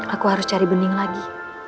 aku harus cari bening lagi